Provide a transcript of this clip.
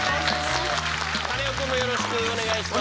カネオくんもよろしくお願いします。